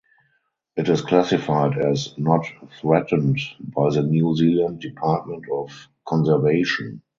It is classified as "Not Threatened" by the New Zealand Department of Conservation.